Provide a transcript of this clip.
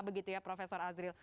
begitu ya prof azril